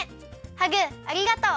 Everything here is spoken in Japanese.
ハグありがとう！